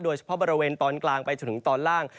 โดยเฉพาะบริเวณตอนกลางไปจนถึงตอนล่าง